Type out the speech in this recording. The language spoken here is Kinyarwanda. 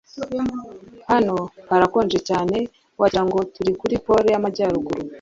Hano harakonje cyane Wagira ngo turi kuri Pole yAmajyaruguru